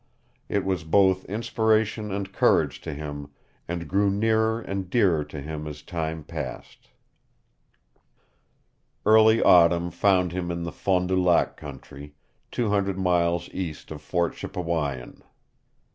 It was both inspiration and courage to him and grew nearer and dearer to him as time passed. Early Autumn found him in the Fond du Lac country, two hundred miles east of Fort Chippewyan.